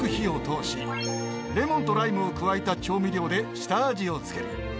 レモンとライムを加えた調味料で下味を付ける。